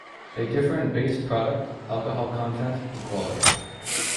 They differ in base product, alcoholic content, and quality.